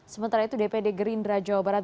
sementara itu dpd gerindra jawa barat